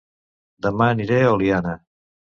Dema aniré a Oliana